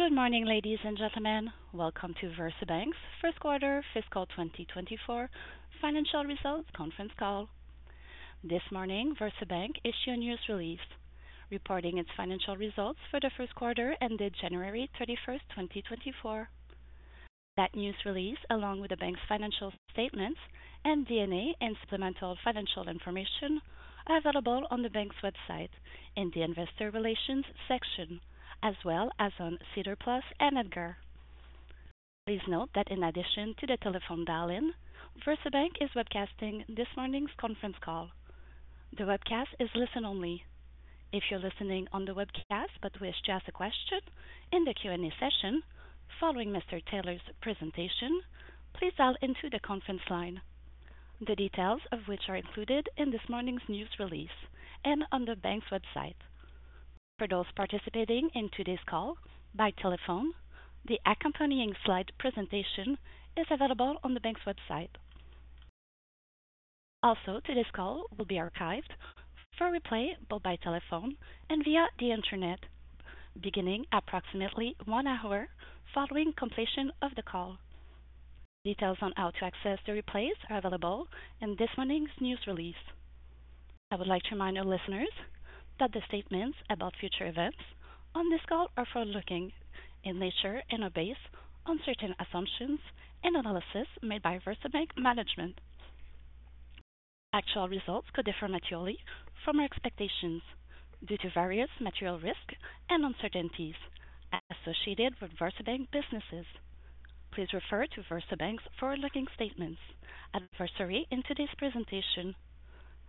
Good morning, ladies and gentlemen. Welcome to VersaBank's first quarter fiscal 2024 financial results conference call. This morning, VersaBank issued a news release reporting its financial results for the first quarter ended January 31st, 2024. That news release, along with the bank's financial statements and MD&A and supplemental financial information, are available on the bank's website in the Investor Relations section, as well as on SEDAR+ and EDGAR. Please note that in addition to the telephone dial-in, VersaBank is webcasting this morning's conference call. The webcast is listen-only. If you're listening on the webcast but wish to ask a question in the Q&A session following Mr. Taylor's presentation, please dial into the conference line, the details of which are included in this morning's news release and on the bank's website. For those participating in today's call by telephone, the accompanying slide presentation is available on the bank's website. Also, today's call will be archived for replay both by telephone and via the internet, beginning approximately one hour following completion of the call. Details on how to access the replays are available in this morning's news release. I would like to remind our listeners that the statements about future events on this call are forward-looking in nature and are based on certain assumptions and analysis made by VersaBank management. Actual results could differ materially from our expectations due to various material risks and uncertainties associated with VersaBank businesses. Please refer to VersaBank's forward-looking statements advisory in today's presentation.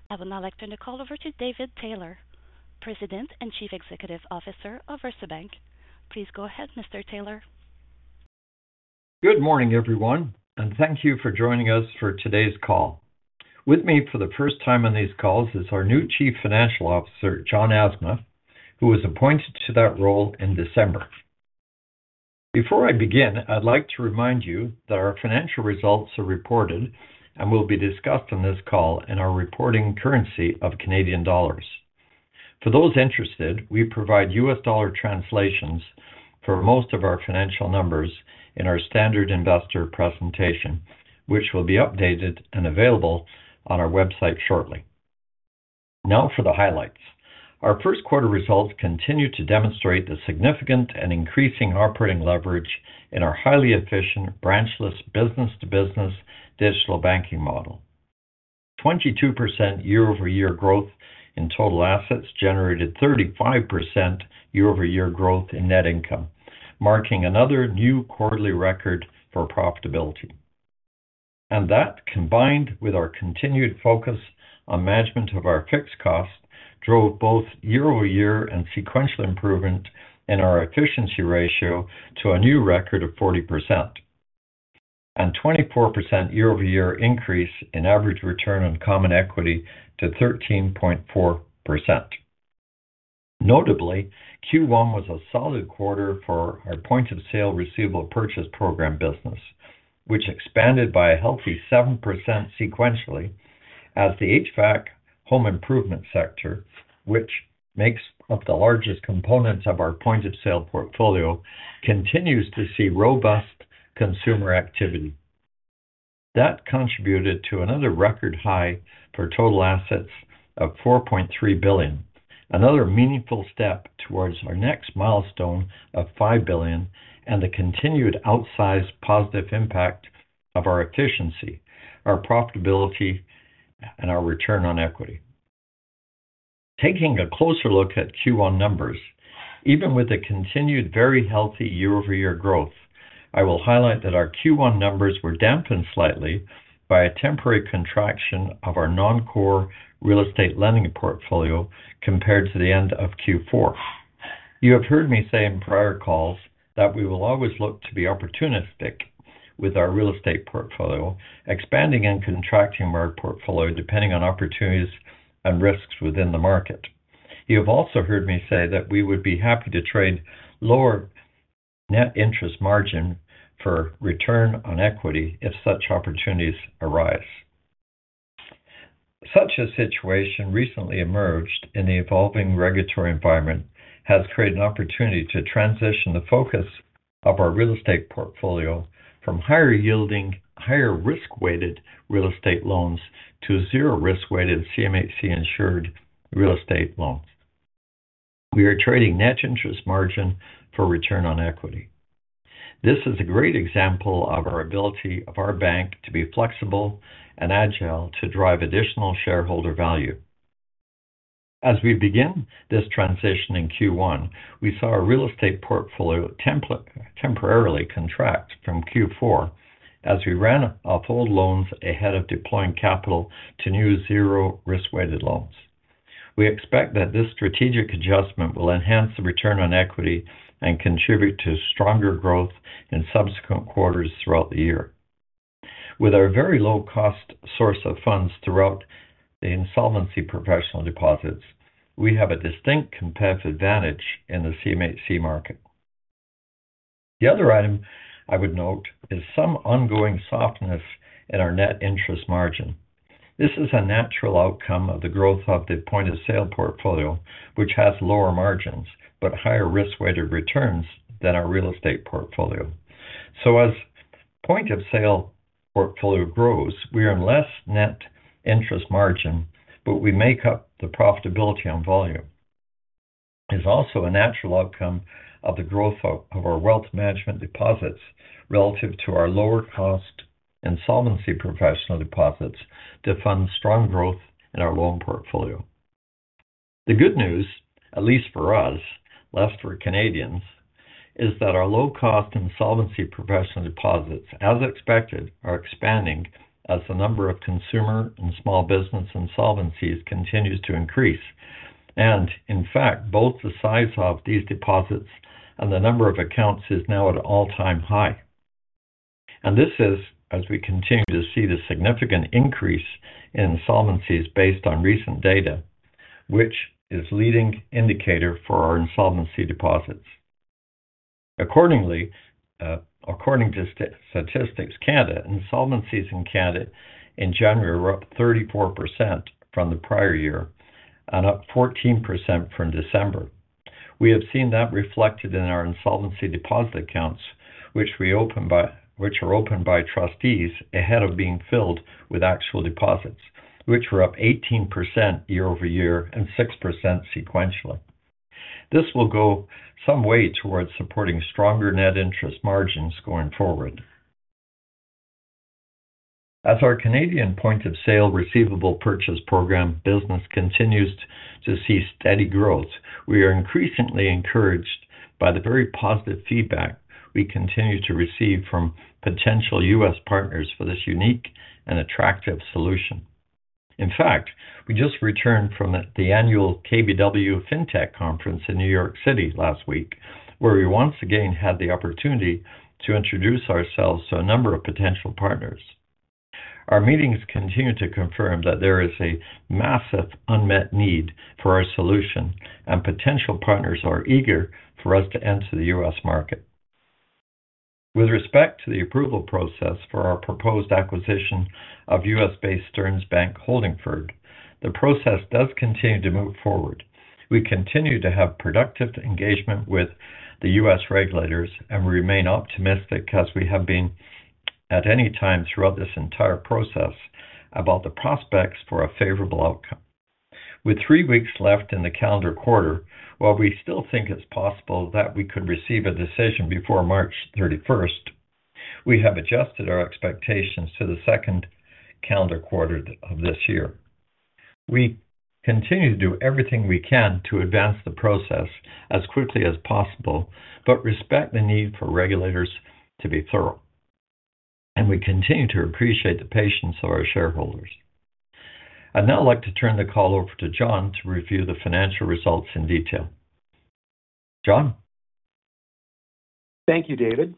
I will now like to turn the call over to David Taylor, President and Chief Executive Officer of VersaBank. Please go ahead, Mr. Taylor. Good morning, everyone, and thank you for joining us for today's call. With me for the first time on these calls is our new Chief Financial Officer, John Asma, who was appointed to that role in December. Before I begin, I'd like to remind you that our financial results are reported and will be discussed on this call in our reporting currency of Canadian dollars. For those interested, we provide U.S. dollar translations for most of our financial numbers in our standard investor presentation, which will be updated and available on our website shortly. Now for the highlights. Our first quarter results continue to demonstrate the significant and increasing operating leverage in our highly efficient branchless business-to-business digital banking model. 22% year-over-year growth in total assets generated 35% year-over-year growth in net income, marking another new quarterly record for profitability. And that, combined with our continued focus on management of our fixed cost, drove both year-over-year and sequential improvement in our efficiency ratio to a new record of 40%, and 24% year-over-year increase in average return on common equity to 13.4%. Notably, Q1 was a solid quarter for our Point-of-Sale Receivable Purchase Program business, which expanded by a healthy 7% sequentially, as the HVAC home improvement sector, which makes up the largest components of our Point-of-Sale portfolio, continues to see robust consumer activity. That contributed to another record high for total assets of 4.3 billion, another meaningful step towards our next milestone of 5 billion, and the continued outsized positive impact of our efficiency, our profitability, and our return on equity. Taking a closer look at Q1 numbers, even with a continued very healthy year-over-year growth, I will highlight that our Q1 numbers were dampened slightly by a temporary contraction of our non-core real estate lending portfolio compared to the end of Q4. You have heard me say in prior calls that we will always look to be opportunistic with our real estate portfolio, expanding and contracting our portfolio depending on opportunities and risks within the market. You have also heard me say that we would be happy to trade lower net interest margin for return on equity if such opportunities arise. Such a situation recently emerged in the evolving regulatory environment has created an opportunity to transition the focus of our real estate portfolio from higher-yielding, higher-risk-weighted real estate loans to zero-risk-weighted CMHC-insured real estate loans. We are trading net interest margin for return on equity. This is a great example of our ability of our bank to be flexible and agile to drive additional shareholder value. As we begin this transition in Q1, we saw our real estate portfolio temporarily contract from Q4 as we ran off-hold loans ahead of deploying capital to new zero-risk-weighted loans. We expect that this strategic adjustment will enhance the return on equity and contribute to stronger growth in subsequent quarters throughout the year. With our very low-cost source of funds throughout the Insolvency Professional Deposits, we have a distinct competitive advantage in the CMHC market. The other item I would note is some ongoing softness in our net interest margin. This is a natural outcome of the growth of the point-of-sale portfolio, which has lower margins but higher risk-weighted returns than our real estate portfolio. So as point-of-sale portfolio grows, we earn less net interest margin, but we make up the profitability on volume. It is also a natural outcome of the growth of our wealth management deposits relative to our lower-cost Insolvency Professional Deposits to fund strong growth in our loan portfolio. The good news, at least for us, at least for Canadians, is that our low-cost Insolvency Professional Deposits, as expected, are expanding as the number of consumer and small business insolvencies continues to increase. And in fact, both the size of these deposits and the number of accounts is now at an all-time high. And this is as we continue to see the significant increase in insolvencies based on recent data, which is a leading indicator for our Insolvency Professional Deposits. Accordingly, according to Statistics Canada, insolvencies in Canada in January were up 34% from the prior year and up 14% from December. We have seen that reflected in our insolvency deposit accounts, which are opened by trustees ahead of being filled with actual deposits, which were up 18% year-over-year and 6% sequentially. This will go some way towards supporting stronger net interest margins going forward. As our Canadian point-of-sale receivable purchase program business continues to see steady growth, we are increasingly encouraged by the very positive feedback we continue to receive from potential U.S. partners for this unique and attractive solution. In fact, we just returned from the annual KBW FinTech conference in New York City last week, where we once again had the opportunity to introduce ourselves to a number of potential partners. Our meetings continue to confirm that there is a massive unmet need for our solution, and potential partners are eager for us to enter the U.S. market. With respect to the approval process for our proposed acquisition of U.S.-based Stearns Bank Holdingford, the process does continue to move forward. We continue to have productive engagement with the U.S. regulators, and we remain optimistic as we have been at any time throughout this entire process about the prospects for a favorable outcome. With three weeks left in the calendar quarter, while we still think it's possible that we could receive a decision before March 31st, we have adjusted our expectations to the second calendar quarter of this year. We continue to do everything we can to advance the process as quickly as possible but respect the need for regulators to be thorough. And we continue to appreciate the patience of our shareholders. I'd now like to turn the call over to John to review the financial results in detail. John? Thank you, David.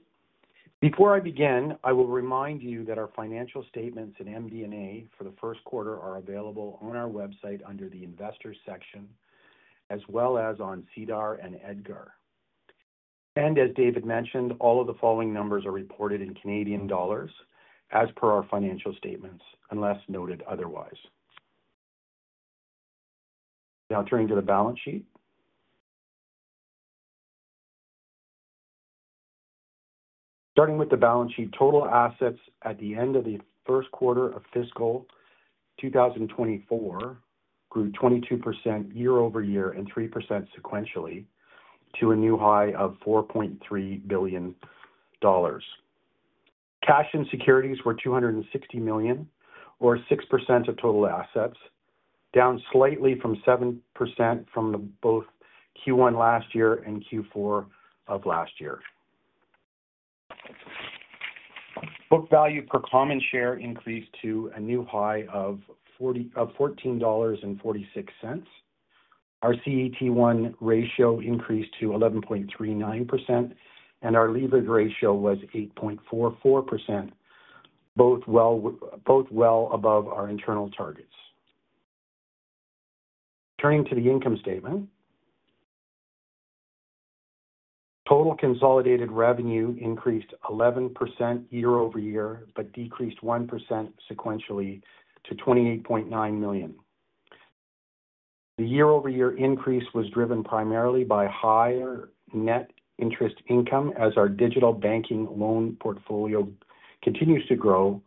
Before I begin, I will remind you that our financial statements and MD&A for the first quarter are available on our website under the investors section, as well as on SEDAR+ and EDGAR. As David mentioned, all of the following numbers are reported in Canadian dollars as per our financial statements, unless noted otherwise. Now turning to the balance sheet. Starting with the balance sheet, total assets at the end of the first quarter of fiscal 2024 grew 22% year-over-year and 3% sequentially to a new high of 4.3 billion dollars. Cash and securities were 260 million, or 6% of total assets, down slightly from 7% from both Q1 last year and Q4 of last year. Book value per common share increased to a new high of 4.0, or CAD 14.46. Our CET1 ratio increased to 11.39%, and our leverage ratio was 8.44%, both well above our internal targets. Turning to the income statement. Total consolidated revenue increased 11% year-over-year but decreased 1% sequentially to 28.9 million. The year-over-year increase was driven primarily by higher net interest income as our digital banking loan portfolio continues to grow,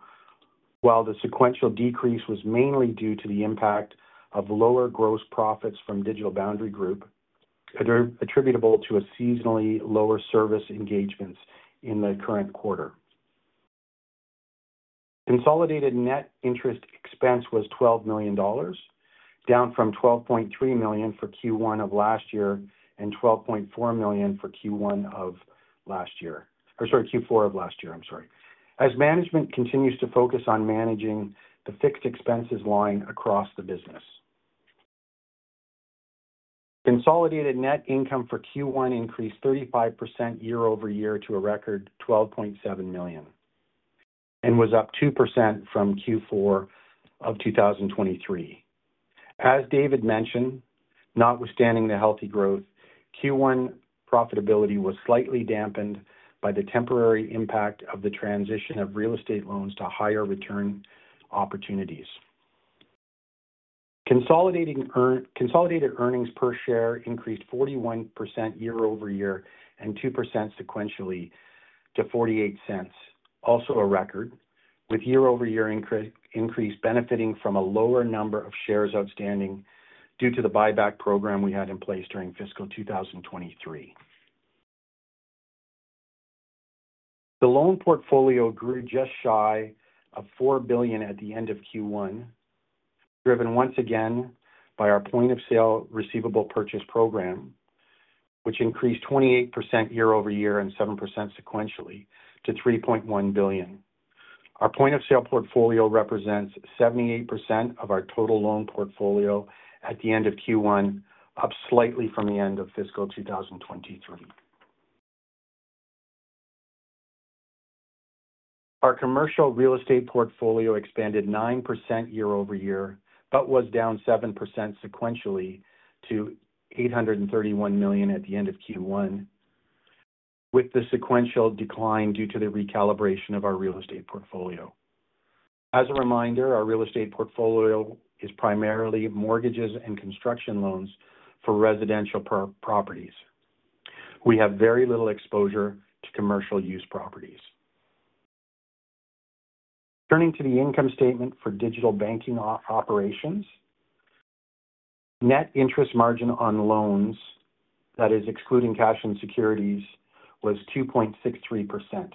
while the sequential decrease was mainly due to the impact of lower gross profits from Digital Boundary Group attributable to seasonally lower service engagements in the current quarter. Consolidated non-interest expense was 12 million dollars, down from 12.3 million for Q1 of last year and 12.4 million for Q1 of last year or sorry, Q4 of last year. I'm sorry. As management continues to focus on managing the fixed expenses line across the business. Consolidated net income for Q1 increased 35% year-over-year to a record 12.7 million and was up 2% from Q4 of 2023. As David mentioned, notwithstanding the healthy growth, Q1 profitability was slightly dampened by the temporary impact of the transition of real estate loans to higher return opportunities. Consolidated earnings per share increased 41% year-over-year and 2% sequentially to 0.48, also a record, with year-over-year increase benefiting from a lower number of shares outstanding due to the buyback program we had in place during fiscal 2023. The loan portfolio grew just shy of 4 billion at the end of Q1, driven once again by our point-of-sale receivable purchase program, which increased 28% year-over-year and 7% sequentially to 3.1 billion. Our point-of-sale portfolio represents 78% of our total loan portfolio at the end of Q1, up slightly from the end of fiscal 2023. Our commercial real estate portfolio expanded 9% year-over-year but was down 7% sequentially to 831 million at the end of Q1, with the sequential decline due to the recalibration of our real estate portfolio. As a reminder, our real estate portfolio is primarily mortgages and construction loans for residential properties. We have very little exposure to commercial use properties. Turning to the income statement for digital banking operations. Net interest margin on loans, that is excluding cash and securities, was 2.63%.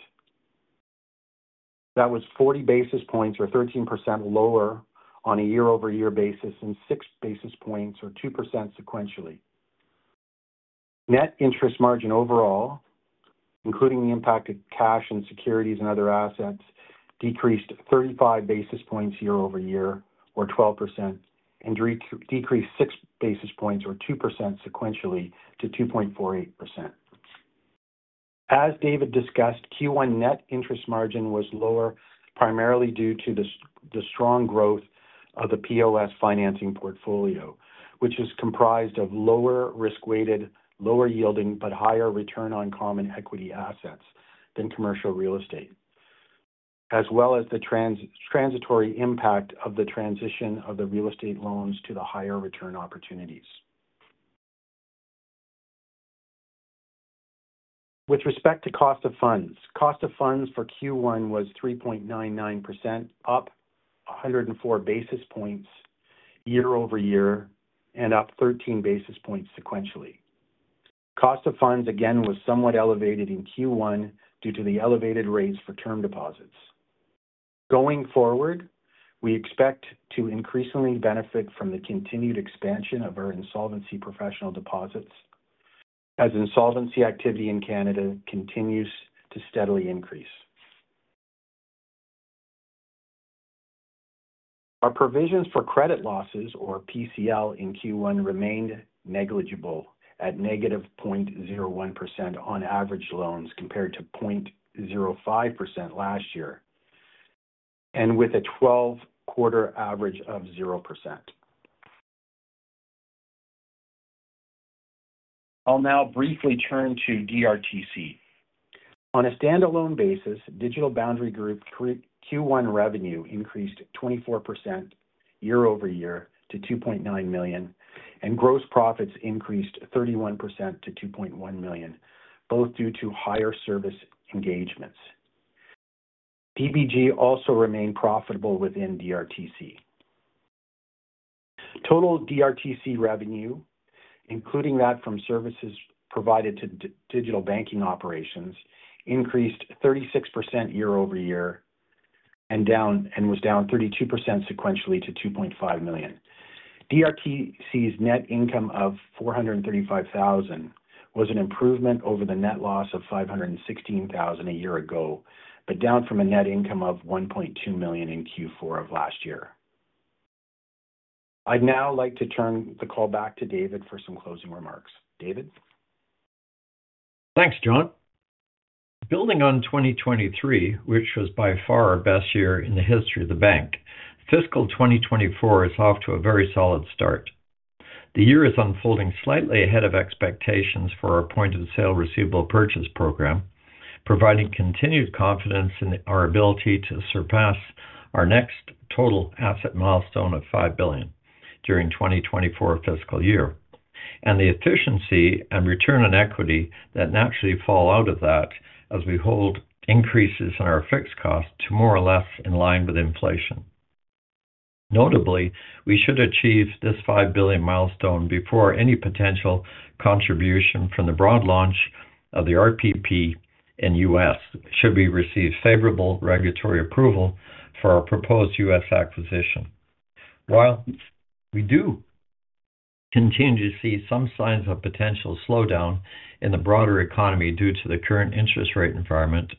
That was 40 basis points or 13% lower on a year-over-year basis and six basis points or 2% sequentially. Net interest margin overall, including the impact of cash and securities and other assets, decreased 35 basis points year-over-year, or 12%, and decreased six basis points or 2% sequentially to 2.48%. As David discussed, Q1 net interest margin was lower primarily due to the strong growth of the POS financing portfolio, which is comprised of lower-risk-weighted, lower-yielding but higher return on common equity assets than commercial real estate, as well as the transitory impact of the transition of the real estate loans to the higher return opportunities. With respect to cost of funds, cost of funds for Q1 was 3.99%, up 104 basis points year-over-year and up 13 basis points sequentially. Cost of funds again was somewhat elevated in Q1 due to the elevated rates for term deposits. Going forward, we expect to increasingly benefit from the continued expansion of our Insolvency Professional Deposits as insolvency activity in Canada continues to steadily increase. Our provisions for credit losses, or PCL, in Q1 remained negligible at negative 0.01% on average loans compared to 0.05% last year and with a 12-quarter average of 0%. I'll now briefly turn to DRTC. On a standalone basis, Digital Boundary Group Q1 revenue increased 24% year-over-year to 2.9 million, and gross profits increased 31% to 2.1 million, both due to higher service engagements. DBG also remained profitable within DRTC. Total DRTC revenue, including that from services provided to digital banking operations, increased 36% year-over-year and was down 32% sequentially to 2.5 million. DRTC's net income of 435,000 was an improvement over the net loss of 516,000 a year ago but down from a net income of 1.2 million in Q4 of last year. I'd now like to turn the call back to David for some closing remarks. David? Thanks, John. Building on 2023, which was by far our best year in the history of the bank, fiscal 2024 is off to a very solid start. The year is unfolding slightly ahead of expectations for our Point-of-Sale Receivable Purchase Program, providing continued confidence in our ability to surpass our next total asset milestone of 5 billion during 2024 fiscal year, and the efficiency and return on equity that naturally fall out of that as we hold increases in our fixed costs to more or less in line with inflation. Notably, we should achieve this 5 billion milestone before any potential contribution from the broad launch of the RPP in U.S. Should we receive favorable regulatory approval for our proposed U.S. acquisition. While we do continue to see some signs of potential slowdown in the broader economy due to the current interest rate environment,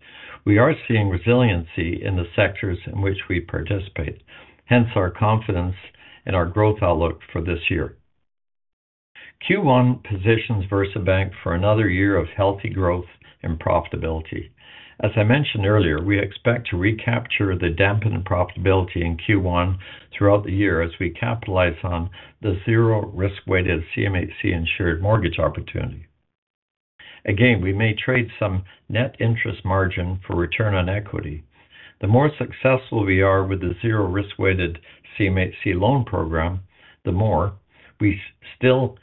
we are seeing resiliency in the sectors in which we participate, hence our confidence in our growth outlook for this year. Q1 positions VersaBank for another year of healthy growth and profitability. As I mentioned earlier, we expect to recapture the dampening profitability in Q1 throughout the year as we capitalize on the zero-risk-weighted CMHC-insured mortgage opportunity. Again, we may trade some net interest margin for return on equity. The more successful we are with the zero-risk-weighted CMHC loan program, the more we still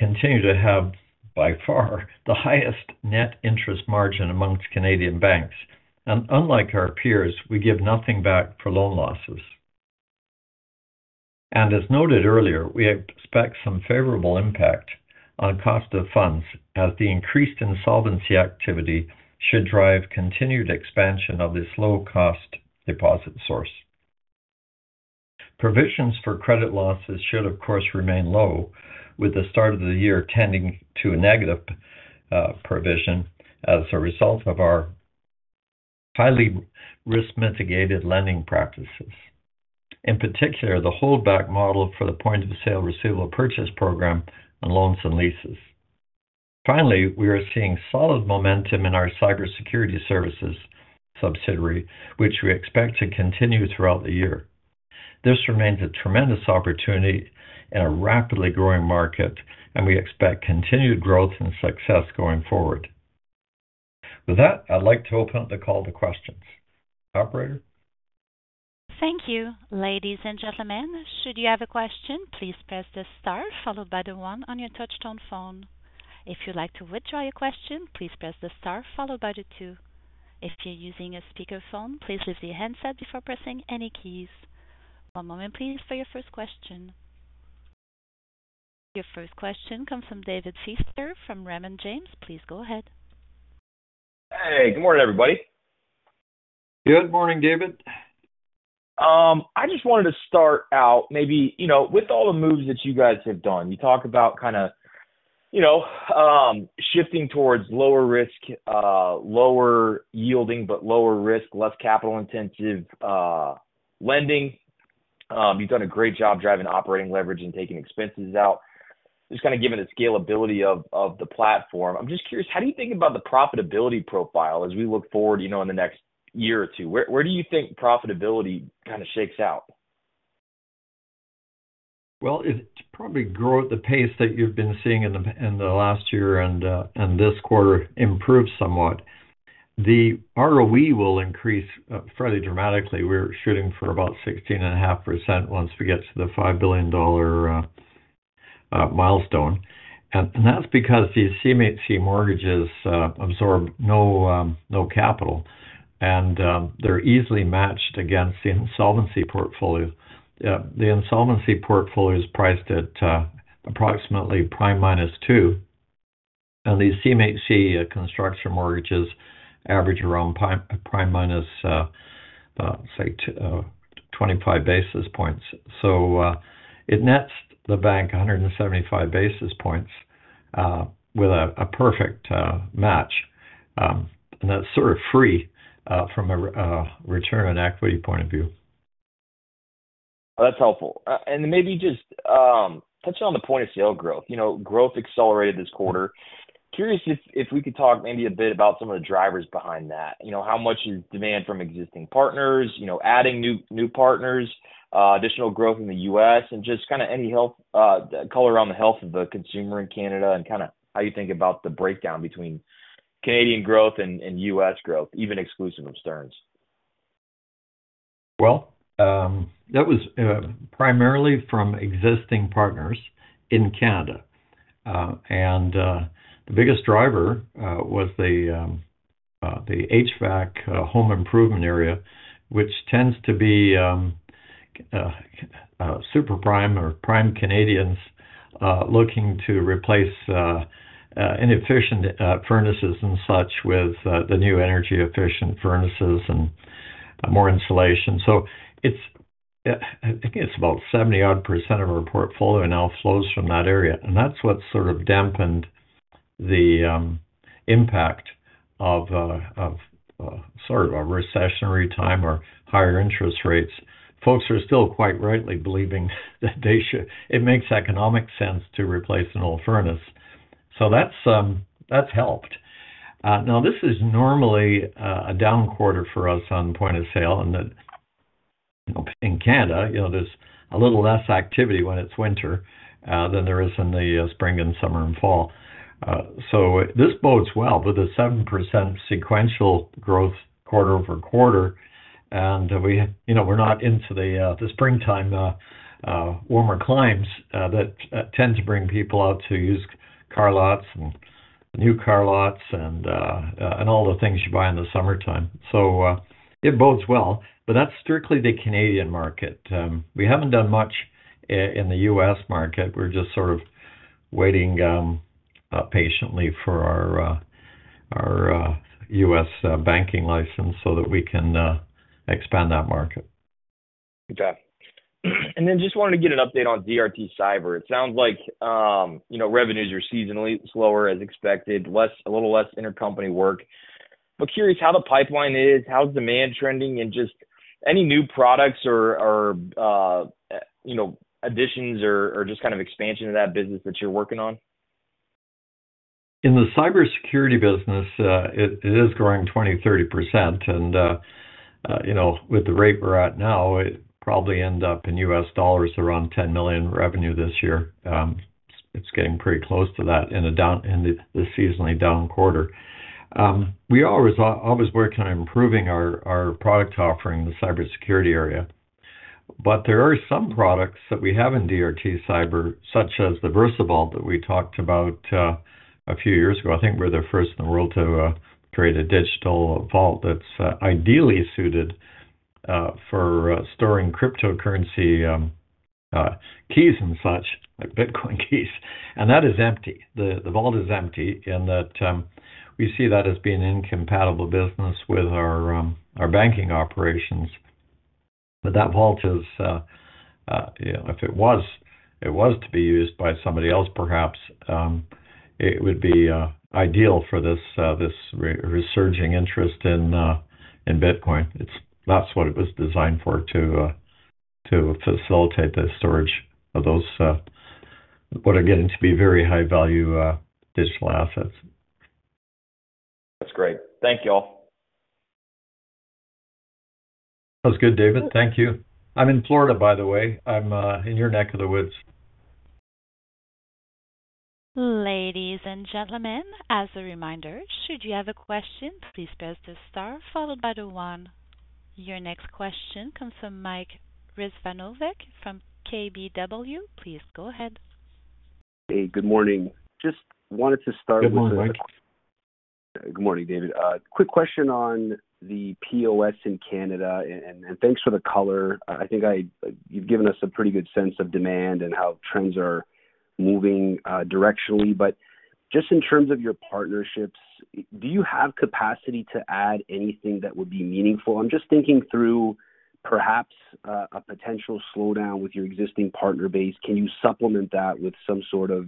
continue to have, by far, the highest net interest margin amongst Canadian banks. Unlike our peers, we give nothing back for loan losses. And as noted earlier, we expect some favorable impact on cost of funds as the increased insolvency activity should drive continued expansion of this low-cost deposit source. Provisions for credit losses should, of course, remain low, with the start of the year tending to a negative provision as a result of our highly risk-mitigated lending practices, in particular the holdback model for the Point-of-Sale Receivable Purchase Program on loans and leases. Finally, we are seeing solid momentum in our cybersecurity services subsidiary, which we expect to continue throughout the year. This remains a tremendous opportunity in a rapidly growing market, and we expect continued growth and success going forward. With that, I'd like to open up the call to questions. Operator? Thank you, ladies and gentlemen. Should you have a question, please press the star followed by the one on your touchstone phone. If you'd like to withdraw your question, please press the star followed by the two. If you're using a speakerphone, please leave the handset before pressing any keys. One moment, please, for your first question. Your first question comes from David Feaster from Raymond James. Please go ahead. Hey. Good morning, everybody. Good morning, David. I just wanted to start out maybe, you know, with all the moves that you guys have done. You talk about kind of, you know, shifting towards lower risk, lower yielding but lower risk, less capital-intensive, lending. You've done a great job driving operating leverage and taking expenses out, just kind of given the scalability of, of the platform. I'm just curious, how do you think about the profitability profile as we look forward, you know, in the next year or two? Where, where do you think profitability kind of shakes out? Well, it's probably grow at the pace that you've been seeing in the last year and this quarter improve somewhat. The ROE will increase, fairly dramatically. We're shooting for about 16.5% once we get to the 5 billion dollar milestone. And that's because these CMHC mortgages absorb no capital, and they're easily matched against the insolvency portfolio. The insolvency portfolio is priced at approximately prime minus two. And these CMHC construction mortgages average around prime minus, say, 25 basis points. So, it nets the bank 175 basis points, with a perfect match. And that's sort of free, from a return on equity point of view. That's helpful. Maybe just touching on the point of sale growth, you know, growth accelerated this quarter. Curious if we could talk maybe a bit about some of the drivers behind that. You know, how much is demand from existing partners, you know, adding new partners, additional growth in the U.S., and just kind of any color on the health of the consumer in Canada and kind of how you think about the breakdown between Canadian growth and U.S. growth, even exclusive of Stearns'? Well, that was primarily from existing partners in Canada. The biggest driver was the HVAC home improvement area, which tends to be super prime or prime Canadians looking to replace inefficient furnaces and such with the new energy-efficient furnaces and more insulation. So it's, I think it's about 70-odd% of our portfolio now flows from that area. And that's what's sort of dampened the impact of sort of a recessionary time or higher interest rates. Folks are still quite rightly believing that they should it makes economic sense to replace an old furnace. So that's helped. Now this is normally a down quarter for us on point of sale. And that, you know, in Canada, you know, there's a little less activity when it's winter than there is in the spring and summer and fall. So this bodes well with a 7% sequential growth quarter-over-quarter. And we, you know, we're not into the springtime, warmer climes that tend to bring people out to use car lots and new car lots and all the things you buy in the summertime. So it bodes well. But that's strictly the Canadian market. We haven't done much in the U.S. market. We're just sort of waiting patiently for our U.S. banking license so that we can expand that market. Okay. And then just wanted to get an update on DRT Cyber. It sounds like, you know, revenues are seasonally slower as expected, less a little less intercompany work. But curious how the pipeline is. How's demand trending and just any new products or, or, you know, additions or, or just kind of expansion of that business that you're working on? In the cybersecurity business, it is growing 20%-30%. And, you know, with the rate we're at now, it probably end up in U.S. dollars around $10 million revenue this year. It's getting pretty close to that in the seasonally down quarter. We always work on improving our product offering in the cybersecurity area. But there are some products that we have in DRT Cyber such as the VersaVault that we talked about a few years ago. I think we're the first in the world to create a digital vault that's ideally suited for storing cryptocurrency keys and such, like Bitcoin keys. And that is empty. The vault is empty in that we see that as being an incompatible business with our banking operations. But that vault is, you know, if it was to be used by somebody else perhaps, it would be ideal for this resurging interest in Bitcoin. That's what it was designed for, to facilitate the storage of those what are getting to be very high value digital assets. That's great. Thank y'all. Sounds good, David. Thank you. I'm in Florida, by the way. I'm in your neck of the woods. Ladies and gentlemen, as a reminder, should you have a question, please press the star followed by the one. Your next question comes from Mike Rizvanovic from KBW. Please go ahead. Hey. Good morning. Just wanted to start with some. Good morning, Mike. Good morning, David. Quick question on the POS in Canada and thanks for the color. I think you've given us a pretty good sense of demand and how trends are moving, directionally. But just in terms of your partnerships, do you have capacity to add anything that would be meaningful? I'm just thinking through perhaps a potential slowdown with your existing partner base. Can you supplement that with some sort of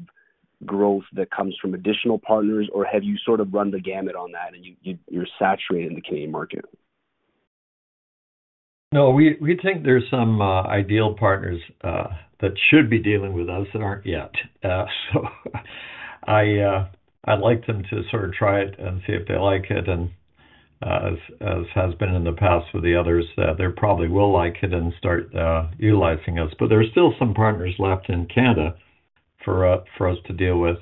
growth that comes from additional partners? Or have you sort of run the gamut on that and you're saturated in the Canadian market? No. We think there's some ideal partners that should be dealing with us that aren't yet. So I'd like them to sort of try it and see if they like it. And as has been in the past with the others, they probably will like it and start utilizing us. But there's still some partners left in Canada for us to deal with.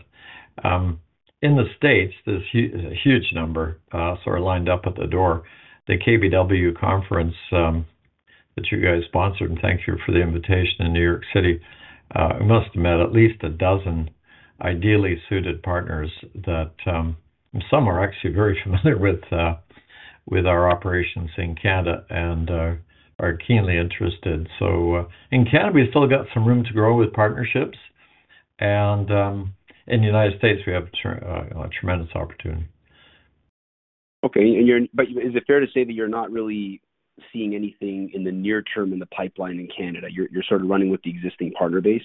In the States, there's a huge number sort of lined up at the door. The KBW conference that you guys sponsored, and thank you for the invitation in New York City. We must have met at least a dozen ideally suited partners that some are actually very familiar with our operations in Canada and are keenly interested. So in Canada, we still got some room to grow with partnerships. And in the United States, we have a tremendous opportunity. Okay. But is it fair to say that you're not really seeing anything in the near term in the pipeline in Canada? You're sort of running with the existing partner base?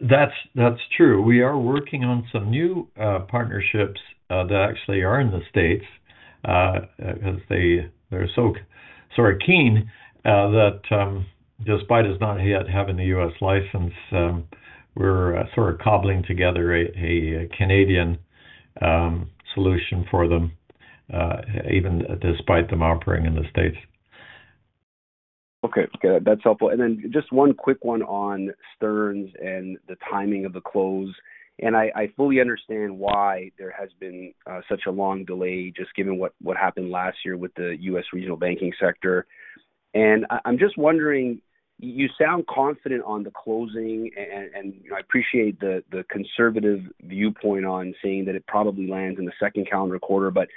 That's true. We are working on some new partnerships that actually are in the States, because they're so sort of keen that, despite us not yet having the U.S. license, we're sort of cobbling together a Canadian solution for them, even despite them operating in the States. Okay. That's helpful. And then just one quick one on Stearns's and the timing of the close. And I, I fully understand why there has been, such a long delay just given what, what happened last year with the U.S. regional banking sector. And I'm just wondering, you sound confident on the closing and, and, and, you know, I appreciate the, the conservative viewpoint on saying that it probably lands in the second calendar quarter. But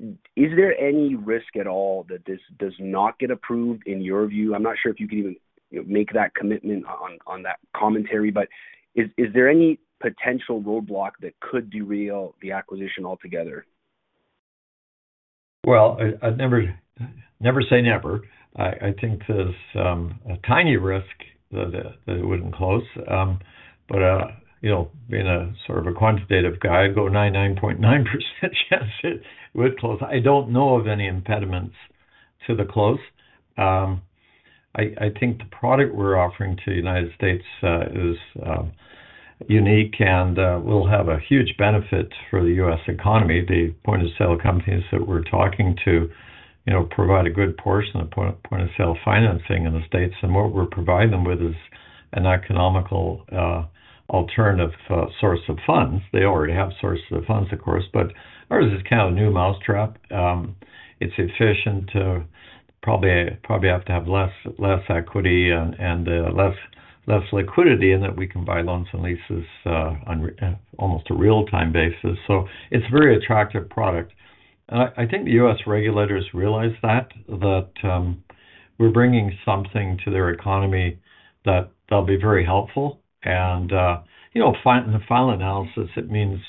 is there any risk at all that this does not get approved in your view? I'm not sure if you could even, you know, make that commitment on, on, on that commentary. But is, is there any potential roadblock that could derail the acquisition altogether? Well, I'd never, never say never. I, I think there's a tiny risk that it that it wouldn't close. But, you know, being a sort of a quantitative guy, go 9.9% chance it would close. I don't know of any impediments to the close. I, I think the product we're offering to the United States is unique and will have a huge benefit for the U.S. economy. The point of sale companies that we're talking to, you know, provide a good portion of point of sale financing in the States. And what we're providing them with is an economical alternative source of funds. They already have sources of funds, of course. But ours is kind of a new mousetrap. It's efficient to probably have less equity and less liquidity in that we can buy loans and leases on almost a real-time basis. So it's a very attractive product. And I think the U.S. regulators realize that we're bringing something to their economy that they'll be very helpful. And you know, in the final analysis, it means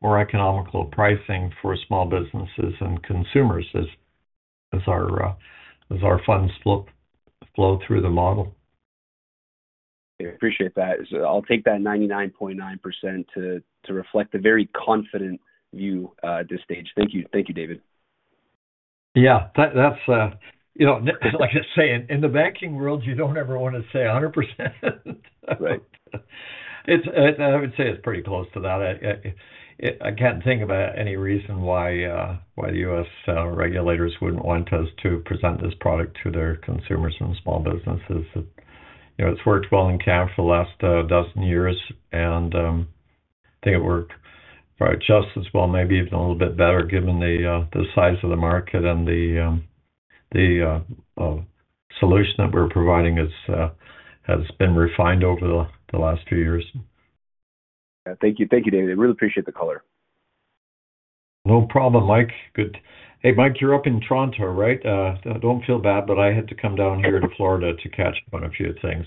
more economical pricing for small businesses and consumers as our funds flow through the model. I appreciate that. I'll take that 99.9% to, to reflect a very confident view, at this stage. Thank you. Thank you, David. Yeah. That, that's, you know, like I say, in the banking world, you don't ever want to say 100%. Right. It's, I would say it's pretty close to that. I can't think of any reason why the U.S. regulators wouldn't want us to present this product to their consumers and small businesses. You know, it's worked well in Canada for the last 12 years. And, I think it worked just as well, maybe even a little bit better given the size of the market and the solution that we're providing has been refined over the last few years. Yeah. Thank you. Thank you, David. I really appreciate the color. No problem, Mike. Good. Hey, Mike, you're up in Toronto, right? Don't feel bad, but I had to come down here to Florida to catch up on a few things.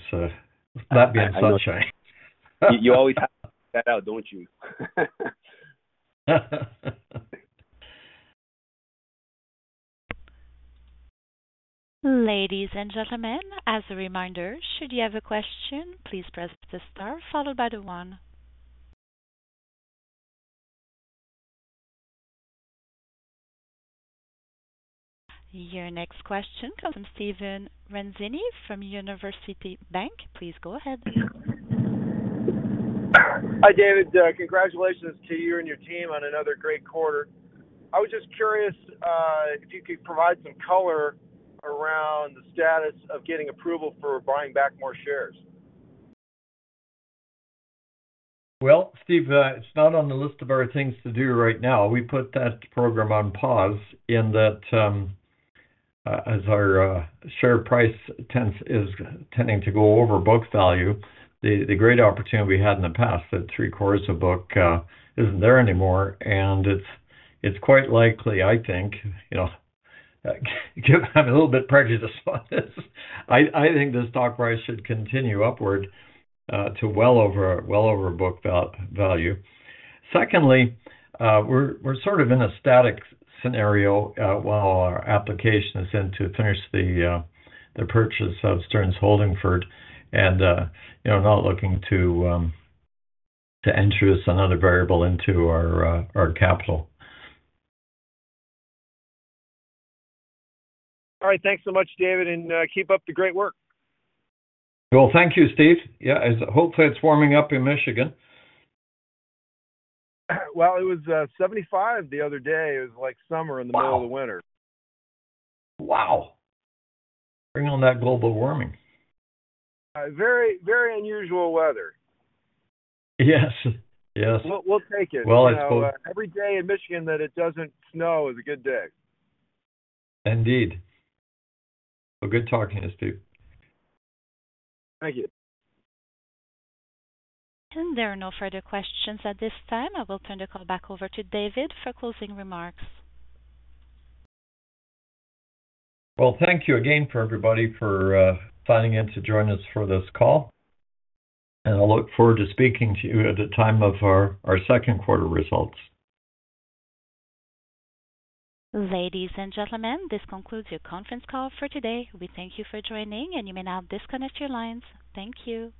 That being said, Shawn. You always have to check that out, don't you? Ladies and gentlemen, as a reminder, should you have a question, please press the star followed by the one. Your next question comes from Stephen Ranzini from University Bank. Please go ahead. Hi, David. Congratulations to you and your team on another great quarter. I was just curious, if you could provide some color around the status of getting approval for buying back more shares. Well, Steve, it's not on the list of our things to do right now. We put that program on pause in that, as our share price is tending to go over book value, the great opportunity we had in the past, that three-quarters of book, isn't there anymore. It's quite likely, I think, you know, given I'm a little bit prejudiced on this. I think this stock price should continue upward, to well over, well over book value. Secondly, we're sort of in a static scenario, while our application is in to finish the purchase of Stearns Bank Holdingford and, you know, not looking to introduce another variable into our capital. All right. Thanks so much, David. And, keep up the great work. Well, thank you, Steve. Yeah. As hopefully, it's warming up in Michigan. Well, it was 75 the other day. It was like summer in the middle of the winter. Wow. Bring on that global warming. Very, very unusual weather. Yes. Yes. We'll, we'll take it. Well, it's both. Every day in Michigan that it doesn't snow is a good day. Indeed. Well, good talking to you, Steve. Thank you. There are no further questions at this time. I will turn the call back over to David for closing remarks. Well, thank you again for everybody for signing in to join us for this call. I look forward to speaking to you at the time of our second quarter results. Ladies and gentlemen, this concludes your conference call for today. We thank you for joining, and you may now disconnect your lines. Thank you.